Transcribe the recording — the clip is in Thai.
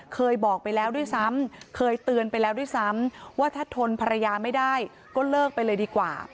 เคยบอกไปแล้วด้วยซ้ำเคยเตือนไปแล้วด้วยซ้ำว่าถ้าทนภรรยาไม่ได้ก็เลิกไปเลยดีกว่า